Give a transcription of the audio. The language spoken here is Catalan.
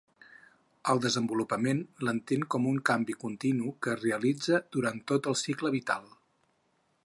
El desenvolupament l'entén com un canvi continu que es realitza durant tot el cicle vital.